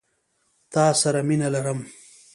تا سره مينه لرم.